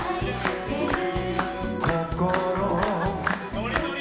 ノリノリ！